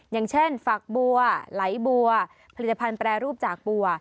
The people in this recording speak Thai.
อย่างเช่นฝักบัวไหลบัวผลิตภัณฑ์แปรรูปจากบัว